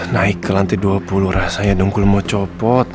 naik ke lantai dua puluh rasanya dongkul mau copot